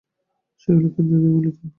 সকলেই এক কেন্দ্রে গিয়ে মিলিত হবে।